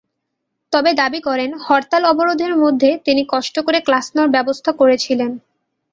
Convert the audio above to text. তবে দাবি করেন, হরতাল-অবরোধের মধ্যে তিনি কষ্ট করে ক্লাস নেওয়ার ব্যবস্থা করেছিলেন।